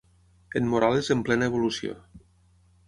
En Morales en plena evolució.